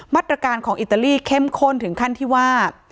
มาตรการของอิตาลีเข้มข้นถึงขั้นที่ว่า